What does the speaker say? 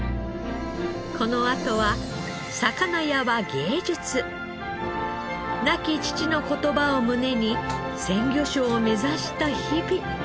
このあとは「魚屋は芸術」亡き父の言葉を胸に鮮魚商を目指した日々。